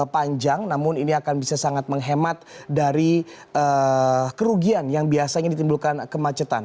panjang namun ini akan bisa sangat menghemat dari kerugian yang biasanya ditimbulkan kemacetan